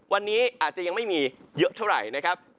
วันนี้อาจจะยังไม่มีเยอะเท่าไหร่นะครับ